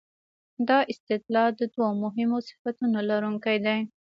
دا استدلال د دوو مهمو صفتونو لرونکی دی.